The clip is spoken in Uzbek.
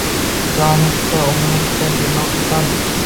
Jonim fido, umrim fido demoq oson